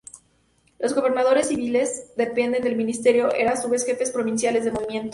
Los gobernadores civiles, dependientes del ministerio, eran a su vez Jefes provinciales del Movimiento.